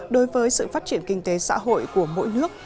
đối với sự phát triển kinh tế xã hội của mỗi nước